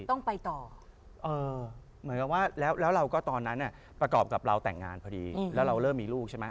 ต้องไปต่อเหมือนกับว่าแล้วเราก็ตอนนั้นประกอบกับเราแต่งงานพอดีแล้วเราเริ่มมีลูกใช่ไหม